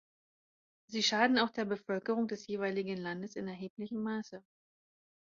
Sie schaden auch der Bevölkerung des jeweiligen Landes in erheblichem Maße.